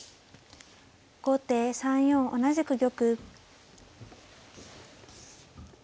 後手３四同じく玉。